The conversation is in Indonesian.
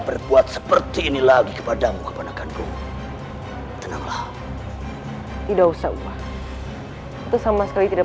berbuat seperti ini lagi kepadamu keponakanku tenanglah tidak usah umah itu sama sekali tidak